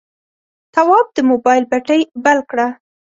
تواب د موبایل بتۍ بل کړه.